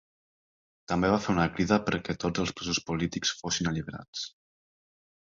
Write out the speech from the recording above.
També va fer una crida perquè tots els presos polítics fossin alliberats.